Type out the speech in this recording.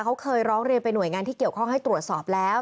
เขาเคยร้องเรียนไปหน่วยงานที่เกี่ยวข้องให้ตรวจสอบแล้ว